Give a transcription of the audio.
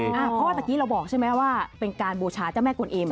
อะเพราะว่าตะกี้เราบอกใช่มั้ยว่าเป็นการบูชาเจ้าแม่กลนเอ็ม